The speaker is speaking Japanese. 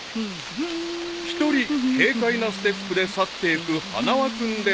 ［１人軽快なステップで去ってゆく花輪君であった］